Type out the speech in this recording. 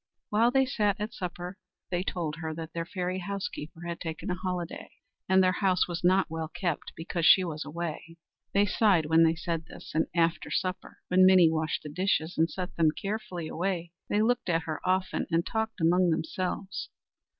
While they sat at supper, they told her that their fairy housekeeper had taken a holiday, and their house was not well kept, because she was away. They sighed when they said this; and after supper, when Minnie washed the dishes and set them carefully away, they looked at her often and talked among themselves.